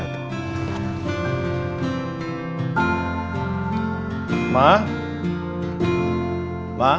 waalaikumsalam warahmatullahi wabarakatuh